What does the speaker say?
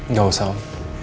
nggak usah om